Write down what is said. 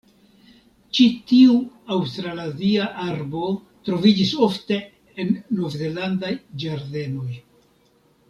Ĉi tiu aŭstralazia arbo troviĝis ofte en nov-zelandaj ĝardenoj.